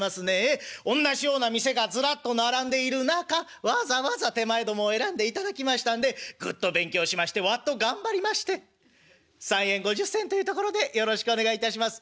おんなしような店がずらっと並んでいる中わざわざ手前どもを選んでいただきましたんでぐっと勉強しましてわっと頑張りまして３円５０銭というところでよろしくお願いいたします」。